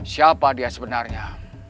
siapa dia sebenarnya